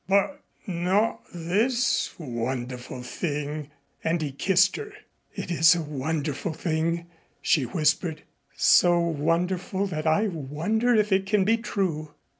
"But not this wonderful thing " and he kissed her. "It is a wonderful thing," she whispered. "So wonderful that I wonder if it can be true."